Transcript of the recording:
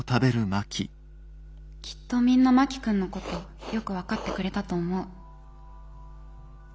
きっとみんな真木君のことよく分かってくれたと思う。